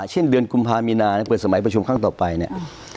เช่นเดือนกุมภามีนาเนี่ยเปิดสมัยประชุมครั้งต่อไปเนี่ย